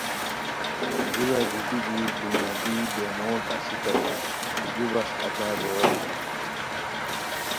دُورا گیتی دی گل نبی بےموڈ اسیتائے کی جُو بس اچہ بوغیلیک